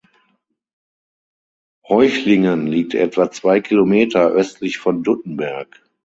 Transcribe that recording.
Heuchlingen liegt etwa zwei Kilometer östlich von Duttenberg.